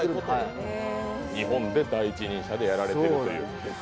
日本で第一人者でやられているという。